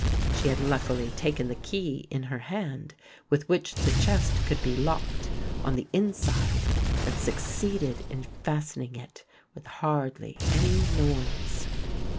She had luckily taken the key in her hand with which the chest could be locked on the inside and succeeded in fastening it with hardly any noise.